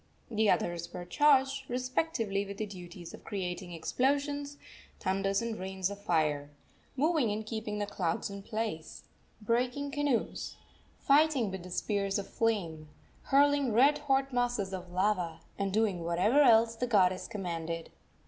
The others were charged, respectively, with the duties of creating explosions, thunders and rains of fire, moving and keeping the clouds in place, breaking canoes, fighting with spears of flame, hurling red hot masses of lava, and doing whatever else the goddess commanded.